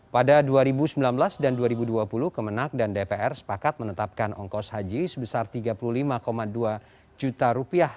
pada dua ribu sembilan belas dan dua ribu dua puluh kemenang dan dpr sepakat menetapkan ongkos haji sebesar rp tiga puluh lima dua juta rupiah